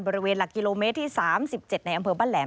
หลักกิโลเมตรที่๓๗ในอำเภอบ้านแหลม